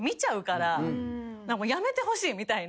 「やめてほしい」みたいな。